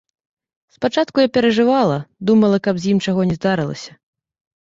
Спачатку я перажывала, думала, каб з ім чаго не здарылася.